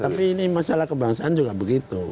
tapi ini masalah kebangsaan juga begitu